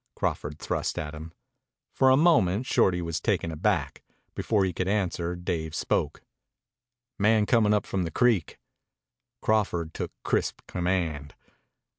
Crawford thrust at him. For a moment Shorty was taken aback. Before he could answer Dave spoke. "Man coming up from the creek." Crawford took crisp command.